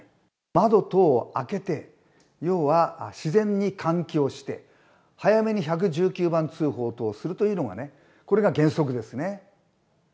窓等を開けて自然に換気をして早めに１１９番通報をするというのがこれが原則ですね。